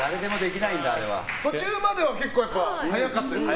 途中までは速かったですね。